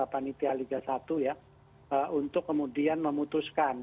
panitia liga satu ya untuk kemudian memutuskan